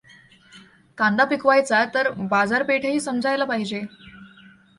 कांदा पिकवायचा तर बाजारपेठही समजायला पाहिजे.